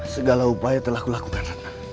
segala upaya telah kulakukan